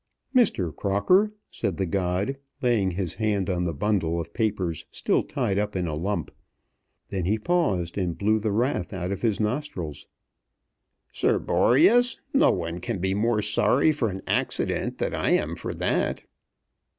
"Mr. Crocker," said the god, laying his hand on the bundle of papers still tied up in a lump. Then he paused and blew the wrath out of his nostrils. "Sir Boreas, no one can be more sorry for an accident than I am for that."